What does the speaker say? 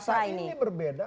nah tapi dasar ini berbeda